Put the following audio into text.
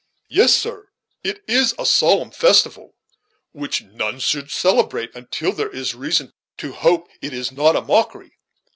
Yet, sir, it is a solemn festival, which none should celebrate until there is reason to hope it is not mockery.